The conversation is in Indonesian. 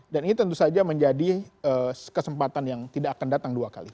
dan ini tentu saja menjadi kesempatan yang tidak akan datang dua kali